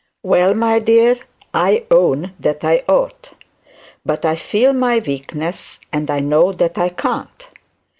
Well, my dear, I own that I ought. But I feel my weakness and I know that I can't.